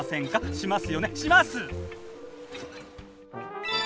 します！